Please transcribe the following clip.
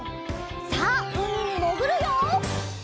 さあうみにもぐるよ！